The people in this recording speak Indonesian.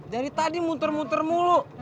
dari tadi muter muter mulu